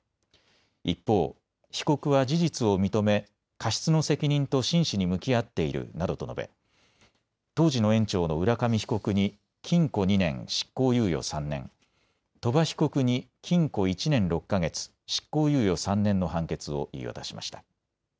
一方被告は事実を認め過失の責任と真摯に向き合っているなどと述べ当時の園長の浦上被告に禁錮２年、執行猶予３年、鳥羽被告に禁錮１年６か月、執行猶予３年の判決を言い渡しました。